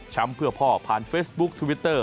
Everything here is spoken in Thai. เพื่อพ่อผ่านเฟซบุ๊คทวิตเตอร์